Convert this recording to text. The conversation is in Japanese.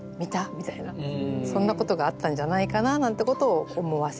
みたいなそんなことがあったんじゃないかななんてことを思わせる。